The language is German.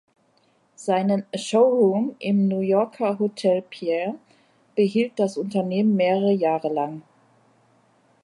Seinen Showroom im New Yorker Hotel Pierre behielt das Unternehmen mehrere Jahre lang.